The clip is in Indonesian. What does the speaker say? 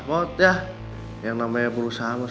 mod ya yang namanya berusaha mas